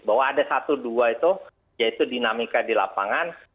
bahwa ada satu dua itu yaitu dinamika di lapangan